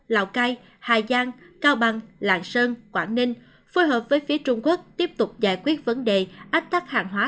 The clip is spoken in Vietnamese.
lào cai hà giang cao bằng lạng sơn quảng ninh phối hợp với phía trung quốc tiếp tục giải quyết vấn đề ách tắc hàng hóa